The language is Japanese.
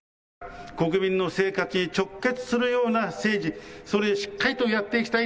国民の生活に直結するような政治、それをしっかりとやっていきたい。